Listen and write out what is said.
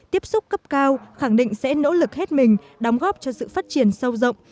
tiếp xúc cấp cao khẳng định sẽ nỗ lực hết mình đóng góp cho sự phát triển sâu rộng